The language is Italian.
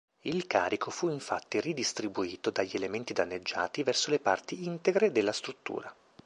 Il carico fu infatti ridistribuito dagli elementi danneggiati verso le parti integre della struttura.